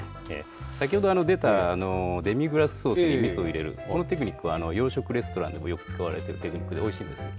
先ほど出たデミグラスソースにみそを入れる、このテクニックは、洋食レストランでもよく使われてる、テクニックで、おいしいですよ。